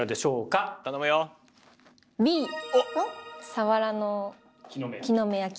さわらの木の芽焼き。